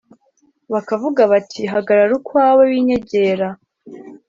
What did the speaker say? bakavuga bati hagarara ukwawe winyegera